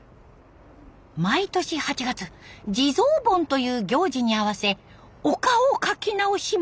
毎年８月地蔵盆という行事に合わせお顔を描き直します！